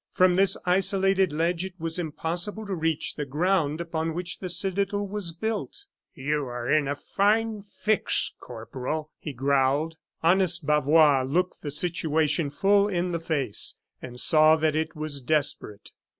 From this isolated ledge it was impossible to reach the ground upon which the citadel was built. "You are in a fine fix, Corporal," he growled. Honest Bavois looked the situation full in the face, and saw that it was desperate.